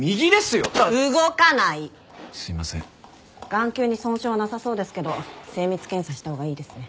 眼球に損傷はなさそうですけど精密検査したほうがいいですね。